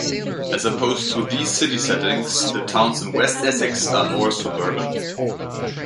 As opposed to these city settings, the towns in West Essex are more suburban.